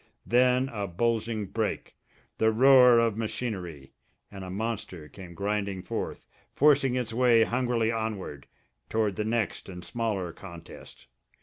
Then a bulging break the roar of machinery, and a monster came grinding forth, forcing its way hungrily onward, toward the next and smaller contest.